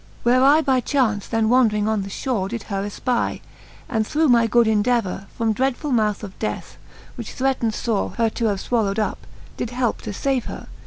Where I by chaunce then wandring on the fhore Did her efpy, and through my good endevour From dreadfull mouth of death, which threatned fore Her to have fwallow'd up, did heipe to fave her.